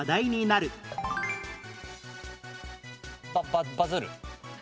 ババズる。